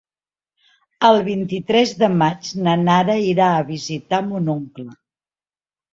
El vint-i-tres de maig na Nara irà a visitar mon oncle.